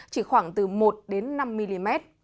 chỉ khoảng từ một năm mm